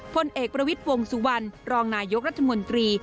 พลเอกประวิทย์วงสุวรรณรองนายกรัฐมนตรี